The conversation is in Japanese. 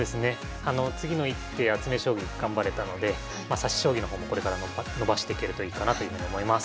次の一手や詰将棋頑張れたのでまあ指し将棋の方もこれから伸ばしていけるといいかなというふうに思います。